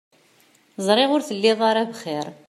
Ẓriɣ ur telliḍ ara bxiṛ.